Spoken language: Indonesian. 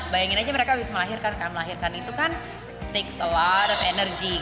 bayangin aja mereka habis melahirkan karena melahirkan itu kan mengambil banyak energi